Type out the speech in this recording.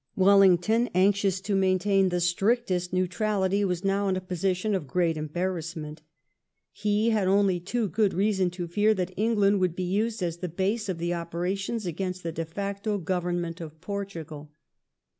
Wellington, anxious to maintain the strictest neutrality, was now in a position of great embarrassment. He had only too good reason to fear that England would be used as the base of the operations against the de facto Government of Portugal.